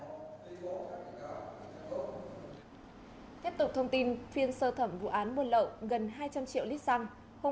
tiếp tục thông tin phiên sơ thẩm vụ án buôn lậu gần hai trăm linh triệu lít xăng